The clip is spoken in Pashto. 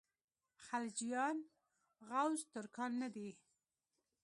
خلجیان غوز ترکان نه دي.